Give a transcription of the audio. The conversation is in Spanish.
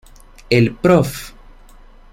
El prof.